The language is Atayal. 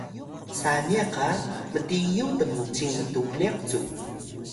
saniq ga mtiyu tmucing mtuliq cu